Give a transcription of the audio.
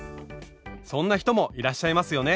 そんな人もいらっしゃいますよね。